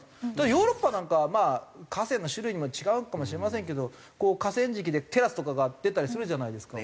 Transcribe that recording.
ヨーロッパなんかは河川の種類も違うかもしれませんけどこう河川敷でテラスとかが出たりするじゃないですか。